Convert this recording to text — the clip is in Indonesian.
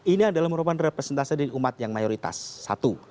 ini adalah merupakan representasi dari umat yang mayoritas satu